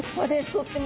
とっても。